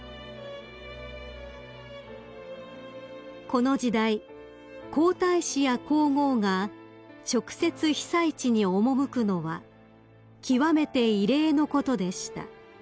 ［この時代皇太子や皇后が直接被災地に赴くのは極めて異例のことでした］